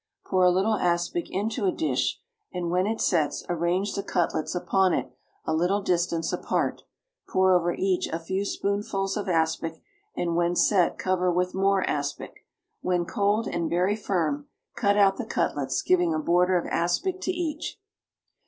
Pour a little aspic into a dish, and, when it sets, arrange the cutlets upon it a little distance apart; pour over each a few spoonfuls of aspic, and when set cover with more aspic. When cold and very firm cut out the cutlets, giving a border of aspic to each.